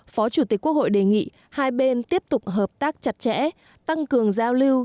phó chủ tịch quốc hội đề nghị hai bên tiếp tục hợp tác chặt chẽ tăng cường giao lưu